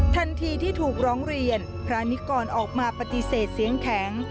ทันทีที่ถูกร้องเรียนพระนิกรออกมาปฏิเสธเสียงแข็ง